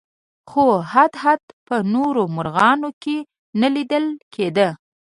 خو هدهد په نورو مرغانو کې نه لیدل کېده.